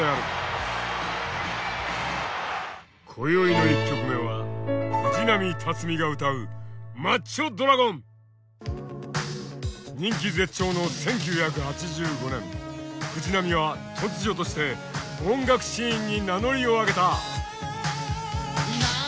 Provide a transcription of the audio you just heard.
今宵の１曲目は藤波辰爾が歌う人気絶頂の１９８５年藤波は突如として音楽シーンに名乗りを上げた。